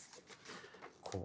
こう。